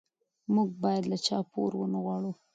موږ باید له چا پور ونه غواړو.